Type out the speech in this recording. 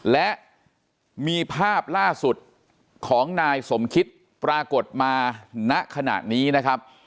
และมีภาพล่าสุดของนายสมคิดปรากฏมาณขณะนี้นะครับ